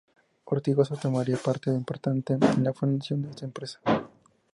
Ortigosa tomaría parte importante en la fundación de esta empresa.